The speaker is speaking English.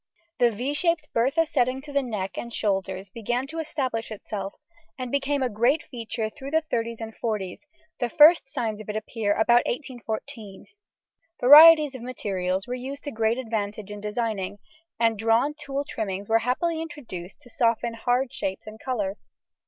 The =V= shaped Bertha setting to neck and shoulders began to establish itself, and became a great feature through the thirties and forties; the first signs of it appear about 1814. Varieties of materials were used to great advantage in designing, and drawn tulle trimmings were happily introduced to soften hard shapes and colours.